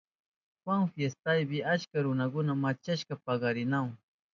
Juan fiestapi achka runakuna machashpa pakarinahun.